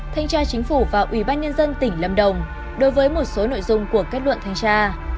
thanh tra chính phủ và ủy ban nhân dân tỉnh lâm đồng đối với một số nội dung của kết luận thanh tra